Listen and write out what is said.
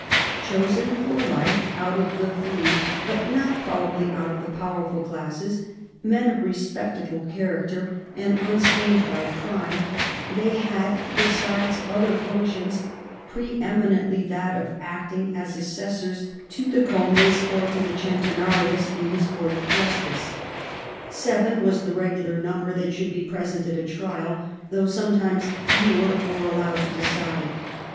Chosen for life, out of the free, but not probably out of the powerful classes, men of respect able character and unstained by crime, they had, besides other functions, pre eminently that of acting as assessors to the coines or to the centenarius in his 326 CHARLEMAGNE. court of justice. Seven was the regular number that should be present at a trial, though sometimes fewer were allowed to decide.